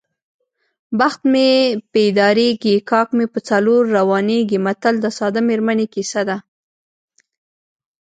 بخت مې پیدارېږي کاک مې په څلور روانېږي متل د ساده میرمنې کیسه ده